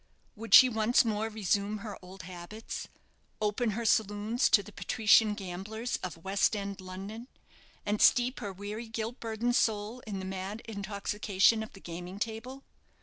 Would she once more resume her old habits open her saloons to the patrician gamblers of West end London, and steep her weary, guilt burdened soul in the mad intoxication of the gaming table?